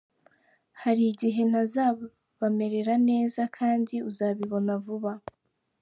Hari igihe ntazabamerera neza kandi uzabibona vuba.